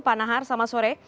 pak nahar selamat sore